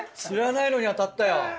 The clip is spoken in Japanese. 知らないのに当たった！